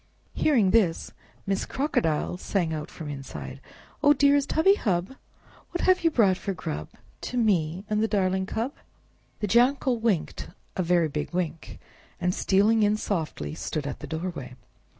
Hearing this, Miss Crocodile sang out from inside, "Oh, dearest hubby hub! What have you brought for grub To me and the darling cub?" The Jackal winked a very big wink, and, stealing in softly, stood at the doorway.